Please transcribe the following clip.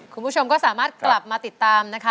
คุณผู้ชมก็สามารถกลับมาติดตามนะคะ